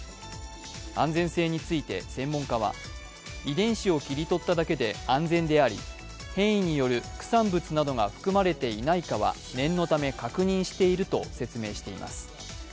安全性について専門家は遺伝子を切り取っただけで安全であり、変異による副産物などが含まれていないかは念のため確認していると説明しています。